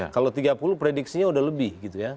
kalau tiga puluh prediksinya sudah lebih